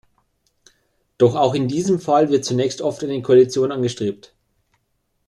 Doch auch in diesem Fall wird zunächst oft eine Koalition angestrebt.